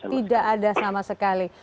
tidak ada sama sekali